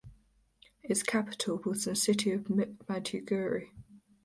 Its capital was the city of Maiduguri.